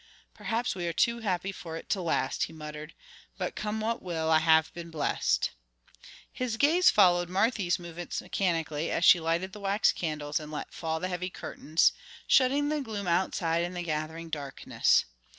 "Perhaps we are too happy for it to last," he muttered; "but, come what will, I have been blessed." His gaze followed Marthy's movements mechanically, as she lighted the wax candles and let fall the heavy curtains, shutting the gloom outside in the gathering darkness.